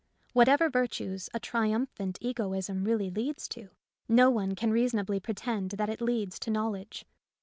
Whatever virtues a triumphant egoism really leads to, no one can reasonably pretend that it leads to knowledge.